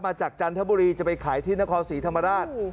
มาจากจันทบุรีจะไปขายที่นครสีธรรมดาต